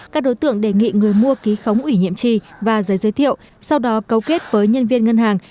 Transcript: các đối tượng đề nghị người mua ký khống ủy nhiệm tri và giấy giới thiệu sau đó cấu kết với nhân viên ngân hàng